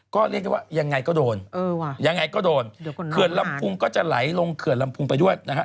ก็เรียกได้ว่ายังไงก็โดนยังไงก็โดนเขื่อนลำพุงก็จะไหลลงเขื่อนลำพุงไปด้วยนะฮะ